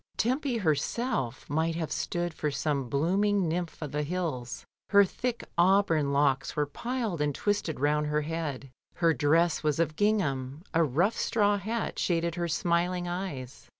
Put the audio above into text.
Tempy herself might have stood for some blooming nymph of the hills. Her thick auburn locks were piled and twisted round her head; her dress was of gingham, a rough straw hat shaded her smiling eyes.